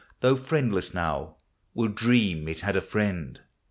Though friendless now, will dream it had a friend.